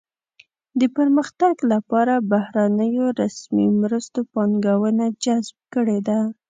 د پرمختګ لپاره بهرنیو رسمي مرستو پانګونه جذب کړې ده.